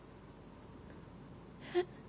えっ？